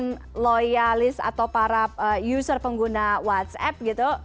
dengan loyalis atau para user pengguna whatsapp gitu